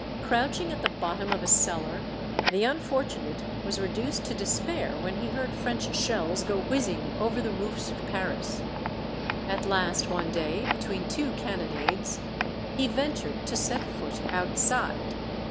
Crouching at the bottom of a cellar, the unfortunate was reduced to despair when he heard French shells go whizzing over the roofs of Paris. At last one day, between two cannonades, he ventured to set foot outside.